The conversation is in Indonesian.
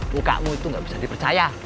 mukamu itu nggak bisa dipercaya